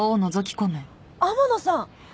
天野さん！